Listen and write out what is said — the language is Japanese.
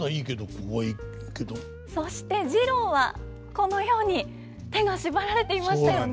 そして次郎はこのように手が縛られていましたよね。